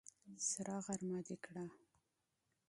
سره غرمه دې کړه!